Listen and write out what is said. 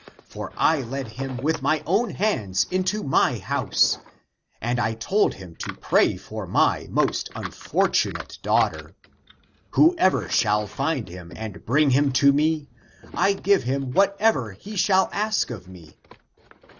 For I led him with my own hands into my house, and I told him to pray for my most unfortunate daughter. Whoever shall find him and bring him to me, I give him whatever he shall ask of me."